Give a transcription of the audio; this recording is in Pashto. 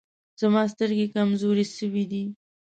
زما سترګي کمزوري سوي دی.